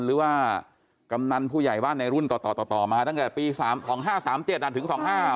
หรือว่ากำนันผู้ใหญ่บ้านในรุ่นต่อต่อมาตั้งแต่ปี๓๒๕๓๗ถึง๒๕